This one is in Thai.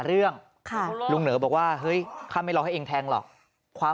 เรื่องค่ะลุงเหนอบอกว่าเฮ้ยข้าไม่รอให้เองแทงหรอกความ